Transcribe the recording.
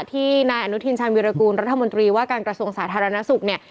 ที่นายอนุทินชาญวิรากูลรัฐมนตรีว่าการกระทรวงสาธารณสุขเนี่ย